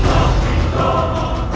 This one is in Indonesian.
aku tidak tahu